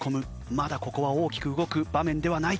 まだここは大きく動く場面ではない。